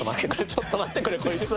ちょっと待ってくれこいつ。